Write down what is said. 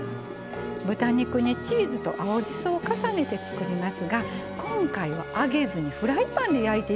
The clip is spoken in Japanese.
豚肉にチーズと青じそを重ねて作りますが今回は揚げずにフライパンで焼いていきますよ。